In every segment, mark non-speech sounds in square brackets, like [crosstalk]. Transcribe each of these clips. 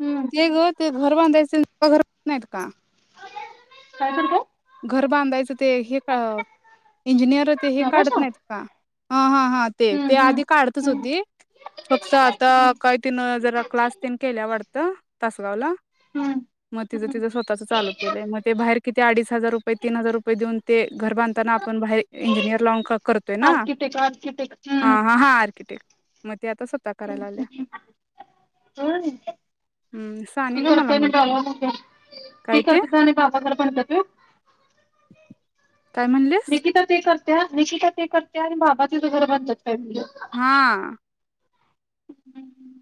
हम्म ते ग ते घर बांधायच तेंन् नाहीत का? काय करत्यात? घर बांधायचं ते हे का इंजिनियर ते हे काढत नकाशा नाहीत का हा हां हां ते ते हम्म हम्म आधी काढतच हम्म होती फक्त आता हम्म काय तिन जरा क्लास तेन केल्या वाट तिथं तासगावला हम्म म तिज हम्म तिज स्वतःच चालू केलंय मग ते बाहेर किती अडीच हजार रुपये तीन हजार रुपये देऊन ते घर बांधताना आपण बाहेर इंजिनियर लावून कर करतोय ना आर्किटेक्ट आर्किटेक्ट अ हम्म हा हा आर्की म! हम्म सानिका मला म्हणते काय ते [unintelligible] काय म्हणलेस निकिता ते कर. निकिता ते करतीया आणि बाबा तिज घर बांधत्यात. हा [unintelligible]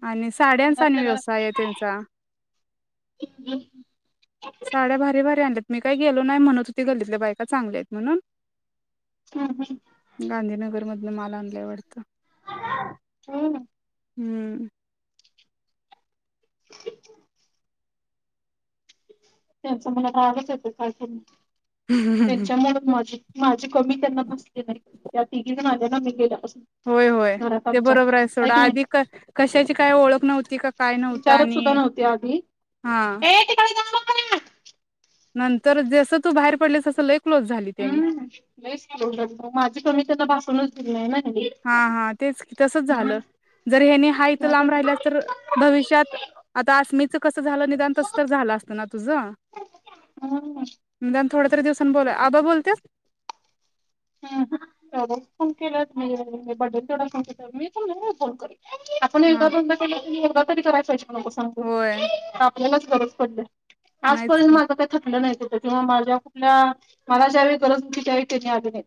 आणि साड्यांचा आणि घरातल्या व्यवसाय घरात आहे त्यांचा. [unintelligible] साड्या भारी भारी आणल्यात मी काही गेलो नाही, म्हणत होती गल्लीतल्या बायका चांगल्या आहेत म्हणून. हम्म हम्म गांधीनगर मध माल आणलाय वाटत. हा! हूं! त्यांचा मला रागच येतोय काय पण म्हणं. त्यांच्यामुळं माझी. माय. मी त्यांना भासली नाई त्या तिघीजण आ त्यांना मी गेल्यापास होय, होय ते बरोबर आहे सोडा की आधी नाही क कशाची काय ओळख नव्हती, का काय नव्हतं विचारत सुद्धा आणि नव्हते आधी हा. ए [unintelligible] नंतर जेसं तू बाहेर पडलीस तसं लय. क्लोज झाली हूं त्याने लयीचं क्लोज झाली मा माजी. मी त्यांना भासूनच दिली नाही नाय. हा हा तेच तसच झालं, जर हेनी हा इत लांब नाहीतर राहिल्यास काय तर भविष्यात आता आस्मिच कस झालं निदान, तस तर झालं असतं ना तुझ हम्म निदान थोड दर दिवसान बोलाय आबा बोलत्यात. [unintelligible] आपण हा एकदा दोनदा केलं तरी. तरी करायचय. हो हो होय. आपल्याला च गरज पडल्या. नाहीच आजपर्यंन की माझ काही थकलं नाहीत तेव्हा माझ्या कुठल्या मला ज्यावेळी गरज होती, त्यावेळी त्यांनी आली नाही.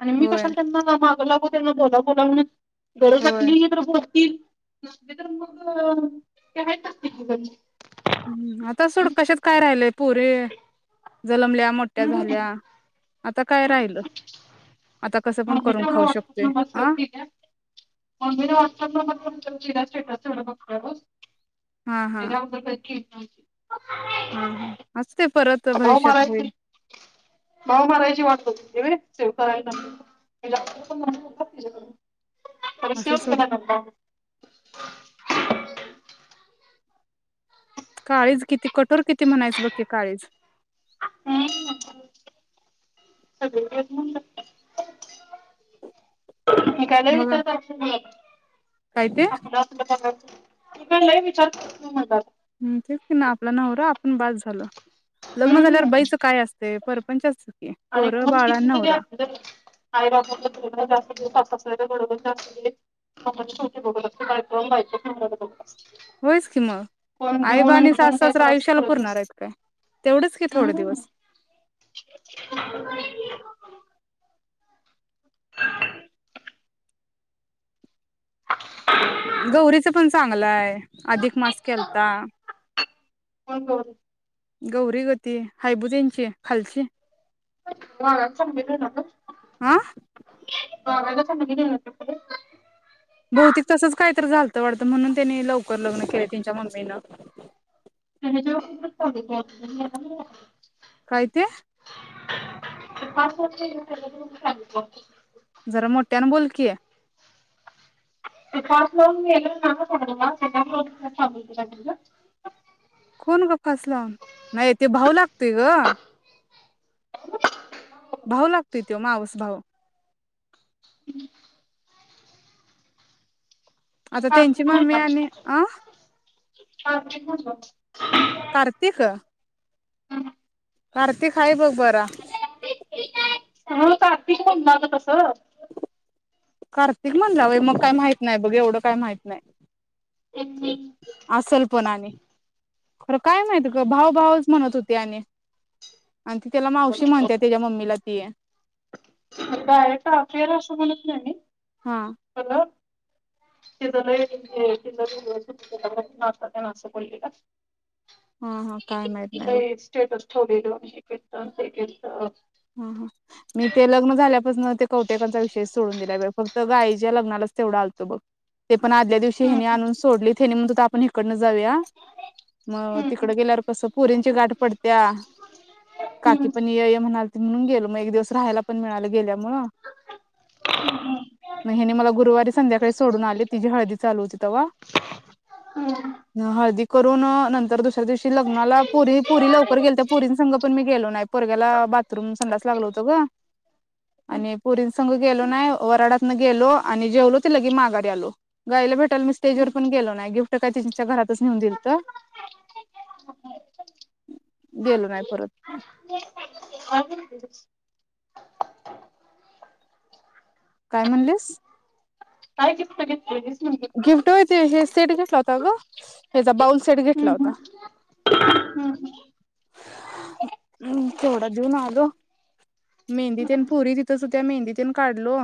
आणि मी होय कशाला त्यांना म माग लावू. त्यांना बोलाव बोलाव म्हणू. होय गरोदकली तर बोल. तीत नसते तर मग ते हाहेत ना तिघी जनी. ह आता सोड कशात काय राहिलय पोरी जनमल्या मोठ्या झाल्या आता काय राहिलं आता कसं पण मम्मीच करून खाऊ व्हाट्सअप शकतोय नंबर सेव आ केलीयास. मम्मीण व्हाट्सअप नंबर करून सेव्ह केलिया स्टेटस. तेवढं बघ काय बघ हा हा एकाबद्दल कल की काय की हा हा हाच अ भाऊ मरायची भाऊ मरायची वाट बघतोय व्हय? सेव करायला नत तिला तर असं शिवून सोड दिला नंतर [inaudible] काळीज किती कठोर किती म्हणायचं बघकी काळीज. ह सगळी तेच म्हणू लागत्यात. निकाल लई मग विचार करतोय मी. काय ते आपल असलं तरच. तू काय लई विचार करत जाऊ मला हम् तेच ना आपला नवरा आपण बास झाल. लग्न झाल्यावर हम्म. बाईचं काय असतेय पर पंचरच आणि खून किती जरी असल आई बाबाला पोर जा [unintelligible] होयच की म आईबा आणि घेऊन काय सासू-सासरा कोणाचं आयुष्याला पुरत पुरणार नसतं. आहेत काय? तेवढेच की थोडे हम्म. दिवस. [inaudible] [inaudible] [inaudible] गौरीच पण चांगलाय अधिक मास केलता. कोण गौरी? गौरी गं गती हायबुदेंची खालची बाजार संपीत येणार गं. आ पण म्हणली नाही वाटत. बहुतेक तसच कायतरी झालतं वाटत म्हणून त्यांनी लवकर लग्न केलं त्यांच्या मम्मीन. ते हेच्यावरतीच ठेवलंय की आपलं काय ते? ते पाच वर्ष येऊ येऊन राहिल्यात म्हणून सांगितलेत. जरा मोठ्यान बोलकी. ते फास लावून मेल [unintelligible] कोण ग फास लावून नाही ते भाऊ लागतोय गं [inaudible] भाऊ लागतोय तो मावस् भाऊ [inaudible] आता त्यांची मम्मी आणि आ [inaudible] कार्तिक [inaudible] कार्तिक हाय बघ बरा. हो कार्तिक म्हणणार तस. कार्तिक म्हणला वय मग काय माहित नाही बघ एवढं काय माहित नाही. असल पण आनि खरं काय माहित ग भावभवच म्हणत होते आणि. आणि ती त्याला मावशी म्हणत त्याच्या मम्मीला ऐ डायरेक्ट आफियर असं म्हणत नाही मी हा हो ना ति असं बोलली का हा हा काय माहत नाही बघ. छोले लो आणि हे केलत ते केलत हा हा मी ते लग्न झाल्या ते कौटेकचा विषेष सोडून दिल्या फक्त गाईच्या लग्नालाच तेवढा आलतो बघ. ते पण आदल्या दिवशी हम्म हम्म हेनी आणून सोडली हेनी म्हण तकडनं जाऊया मग हम्म तिकड हम्म गेल्यावर कसं पोरींची गाठ पडत्या काकी हम्म पण य य म्हणाल म्हण गेलो मग एक दिवस राहायला पण मिळालं गे म हनी मला गुरुवारी संध्याकाळी सोडून आली तिझी हळदी चालू होती ते्हा हळदी करून नंतर दुसऱ्या दिवशी लग्नाला पुरी पुरी लवकर गेल त्या पुरी सं पण मी गेलो नाही पोरगेला तर मु पन्नास लागलं होत ग संघ गेलो नाही वराडातन गेलो आणि जेवलो ति लगे माघार आलो गायला भेटायला मी स्टेज वर पण गेलो नाही गिफ्ट काय तच्या घरातच नेऊन दिल तर गेलो नाही परत. [inaudible] काय म्हणलेस? काय गिफ्ट घेतलेली स गिफ्ट होय तेे हे सेट घेतला होता ग हचा बाऊल सेट घेतला हम्म होता् हम्म हम्म तेवढा देऊन आल मेहंदीतन पुरी तिथ होत्या मेहंदीतन काढलो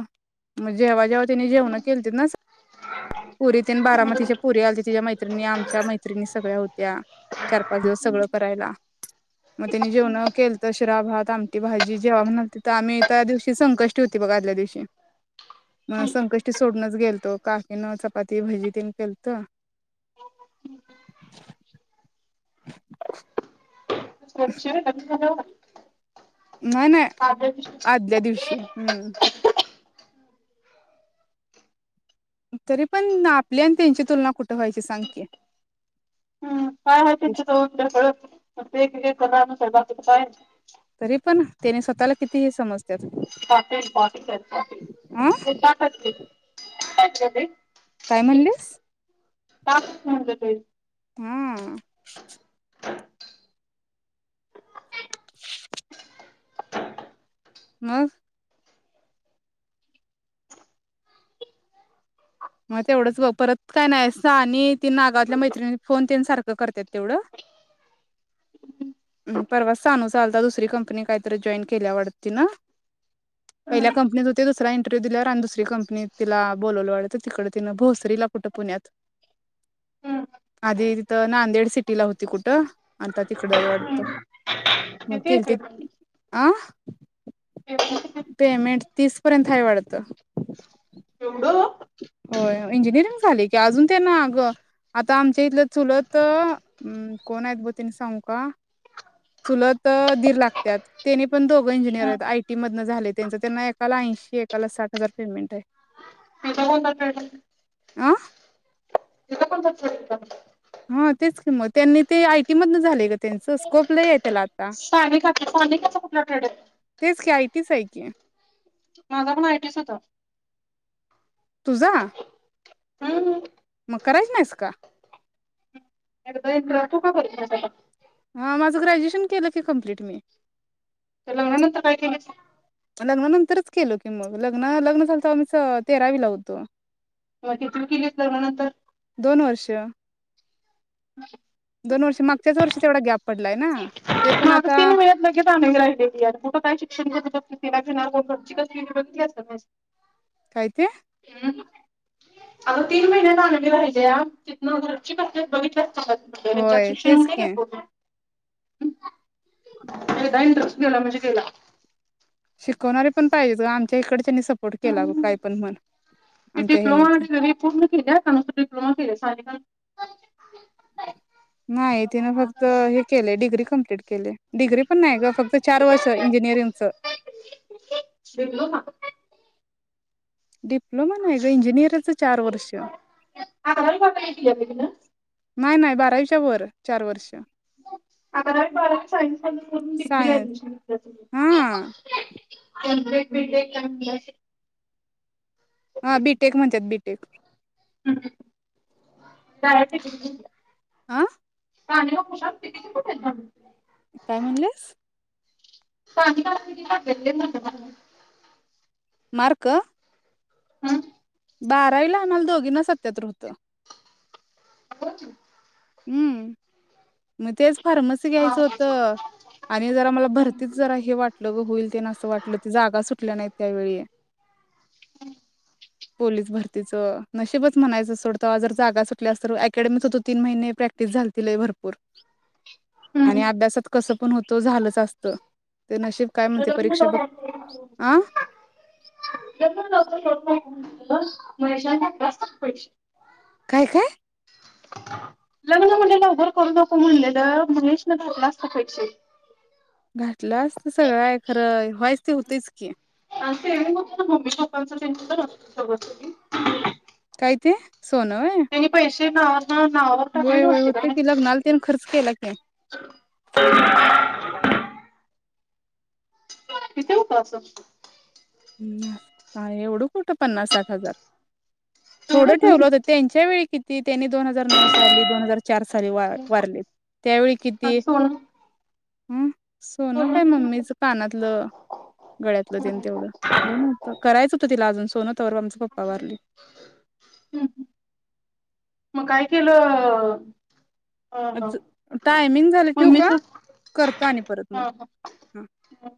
मग जेव्हा जेव्हा त्याने जेवण केलं ते ना पुरी तने बाराम तिच्या पुरी आली तिच्या्या मैत्रिणी आमच्या मैत्रिणी सगळ्या होत्या चार पाच दिवस सगळं करायला मग त्यानी जेवण केलत शिरा भात आमटी भाजी जेव्हा म्हणाल तिथ आम्ही त्या दिवशी संकष्टी होती बघ आदल्या दिवशी मग संकष्टी सोडूनच गेलतो. काकीन चपाती भजी तन केलत. [unintelligible] नाही नाही आदल्या दिवशी हम्म तरी पण आपली आणि त्यांची तुलना कुठ व्हायची सांग की. काय हाय तेच्या जवळ ढेकळं. नुसतं एक एक एकर रानाचं हाय बाकीच काय त्यांनी स्वतःला किती हे समज [unintelligible] अ [unintelligible] काय म्हणलीस? टाक म्हणलं तेच. हां मग मग तेवढंच बग परत काय नाही. सानी आणि ती नागावातल्या मैत्रिणी फोन तन सारखं करतेात तेवढं. परवा सांनू चालता दुसरी कंपनी काहीतरी जॉईन केल्या वाटत तिनं. पहिल्या हम्म कंपनीत होती दुसऱरा इंटरव्ह्यू दिल्यावर आणि दुसरी कंपनीत तिला बोलवलं वाटत तिकड तिनं भोसरीला कुठ पुण्यात. हम्म आधी तिथं नांदेड सिटीला होती कुठं आता तिकडय वाटत. हम्म [unintelligible] अ पेमेंट किती पेमेंट तीस पर्यंत हाय वाटत. एवढं हो इंजिनिअरिंग झालय कि अजून त्यांना अग आता आमच्या इथलं चुलत कोण आहेत ब तने सांगू का? चुलत दीर लागत त्याने पण दोघं इंजिनियर हम्म आहेत आयटी मधन झाले त्यांच त्यांना एकाला ऐंशी एकाला साठ हजार पेमेंट हाय. [unintelligible] आं तिथं कोणता ट्रेड हा तेच कि म त्यांनी ते आयटी मधन झालेय ग त्यांच स्कोप लई आहे त्याला आता. सानी सानिका चा कुठला ट्रेड हाय. तेच आयटीच हाय की. माझा पण आयटीयच होता. तुझा? हम्म मग करायच नाहीस का? एकदा [unintelligible] हा माझं ग्रॅज्युएशन केलं की कंप्लीट मी. लग्नानंतर काय केलीस? लग्नानंतरच केलो की मग. लग्न लग्न झालं तवा आमच तेरावी ला होतो. मग तिथुन किलीस लग्ना नंतर. दोन वर्ष दोन वर्ष मागच्याच वर्षी तेवढा गॅप पडलाय ना. ते पण माझं आता तीन वेळेत लगेच आणी राहिलय की यार कुठं काय शिक्षण घेत होतो [unintelligible] बघितल्यास काय नईस. काय ते हम् अग तीन महिन्यान आणि राहिल्या तिथन वरची तब्येत बघीतलीयास [unintelligible] होय शिक्षण तेच होते काय की पूर्ण? एकदा इंटरेस्ट गेला म्हणजे गेला. शिकवणारे पण पाहिजेच ग आमच्या हिकडं अ ते आमच्या डिप्लोमा हेनीच आणि सगळ पूर्ण केल्यास आणि काय नुसता डिप्लोमा केल्यास आणि ह [unintelligible] नाही तिन फक्त हे केलय डिग्री कमप्लीट केल्या डिग्री पण नाही ग फक्त चार वर्ष इंजिनिअरिंगच डिप्लोमा डिप्लोमा नाही ग इंजिनिअरच चार वर्ष अकरावी बारावी केल्या का तिनं? नाही, नाही बार [unintelligible] च्या वर चार वर्ष अकरावी बारावी सायन्स मधून करून डिग्रीला सायन्स ऍडमिशन घेतलंय हा तिन, कंप्लेंट डिग्री एक टाइम दिला [unintelligible] हा बीटेक म्हणत्यात बी एक, हम्म काळया पिशवीत भरल्या. आ [unintelligible] काय म्हणलीस? [inaudible] मार्क? हा, बारावीला आम्हाला दोघींना सत्त्यातर होत. होत, हम्म, मग तेच फार्मसी हा. घ्यायचं होत आणि जरा मला भरतीच जरा हे वाटलं ग होईल तेन असं वाटलं त जागा सुटल्या नाहीत त्यावेळी, हम्म पोलीस भरतीचं नशीबच म्हणायचं सोड तेव्हा जर जागा सुटल्या अस तर अकॅडमिक होतो तीन महिने प्रॅक्टिस झालती लय भरपूर आणि अभ्यासात कसं पण होतो झालंच असत. अ [inaudible] [unintelligible] काय काय, लग्न म्हटल लवकर करू नको म्हणलेलं महेश न घातला असता पैसे. घातलं असत सगळ आहे, खरं व्हाय ते होतयच की, आ ते मग मम्मी पप्पाचा [inaudible] काय ते, सोनं व्हय ते [unintelligible] की लग्नाला त्यान खर्च केला की [unintelligible] किती होते, असं एवढं कुठं पन्नासर, साठ हजार थोडं तेवढंच ठेवलं नाही. होत, त्यांच्या वेळी किती, त्यांनी दोन हजार नऊ साली, दोन हजार चार साली वा वारले त्यावेळी किती आणि सोनं ह सोन सोनं काय किती होतं? मम्मीच कानातलं, गळ्यातलं तेन हम्म. तेवढं, लय नव्हतं करायच होतं. लाजून [unintelligible] परवा आमच पप्पा वारल. म काय केलं अ अज टायमिंग झालं ठेवू का मम्मीच करतो आणि परत मग ह हूं ह